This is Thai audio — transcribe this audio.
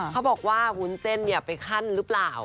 เขาบอกว่าวุ้นเส้นไปขั้นหรือเปล่า